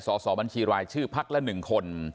สสบัญชีรายชื่อภพได้ละหนึ่งคน